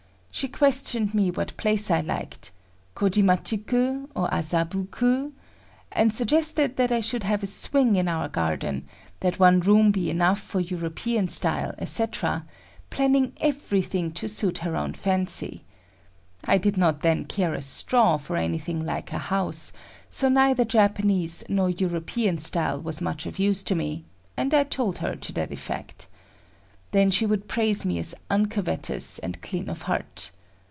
She questioned me what place I liked,—Kojimachi ku or Azabu ku?—and suggested that I should have a swing in our garden, that one room be enough for European style, etc., planning everything to suit her own fancy. I did not then care a straw for anything like a house; so neither Japanese nor European style was much of use to me, and I told her to that effect. Then she would praise me as uncovetous and clean of heart.